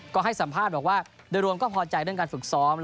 ก็ให้สัมภาษณ์บอกว่าโดยรวมก็พอใจเรื่องการฝึกซ้อม